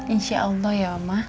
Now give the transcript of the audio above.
insya allah ya oma